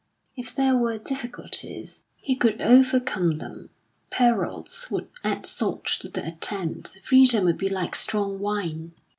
If there were difficulties, he could overcome them; perils would add salt to the attempt, freedom would be like strong wine.